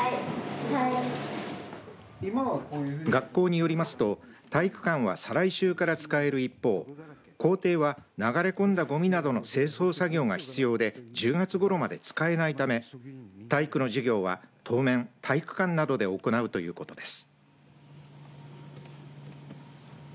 学校によりますと体育館は再来週から使える一方校庭は流れ込んだごみなどの清掃作業が必要で１０月ごろまで使えないため体育の授業は当面体育館などで行うということです。